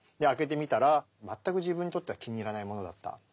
開けてみたら全く自分にとっては気に入らないものだった。